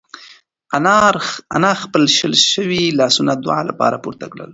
انا خپل شل شوي لاسونه د دعا لپاره پورته کړل.